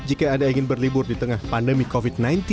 jika anda ingin berlibur di tengah pandemi covid sembilan belas